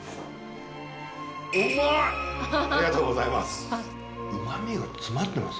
ありがとうございます。